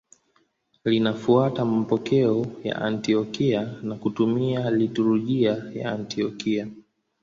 Linafuata mapokeo ya Antiokia na kutumia liturujia ya Antiokia.